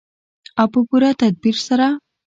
او په پوره تدبیر سره.